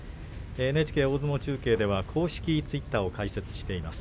ＮＨＫ大相撲中継では公式ツイッターを開設しています。